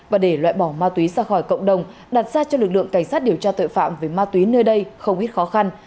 và để loại bỏ ma túy ra khỏi cộng đồng đặt ra cho lực lượng cảnh sát điều tra tội phạm về ma túy nơi đây không ít khó khăn